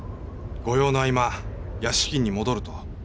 ご用の合間屋敷に戻ると。